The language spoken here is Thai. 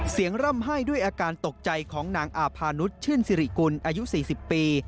เสียงร่ำให้ด้วยอาการตกใจของนางอาพานุษย์ชื่นสิริกุลอายุสี่สิบปี